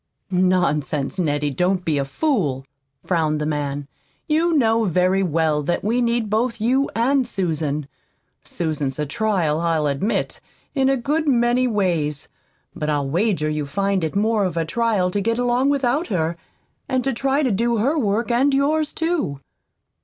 "Nonsense, Nettie, don't be a fool," frowned the man. "You know very well that we need both you and Susan. Susan's a trial, I'll admit, in a good many ways; but I'll wager you'd find it more of a trial to get along without her, and try to do her work and yours, too."